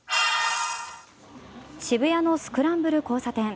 渋谷のスクランブル交差点。